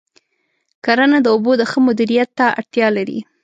کرنه د اوبو د ښه مدیریت ته اړتیا لري.